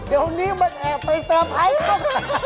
อันนี้มันแอบไปเซอร์ไพรส์พวกเรา